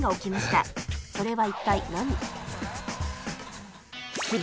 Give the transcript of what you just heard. それは一体何？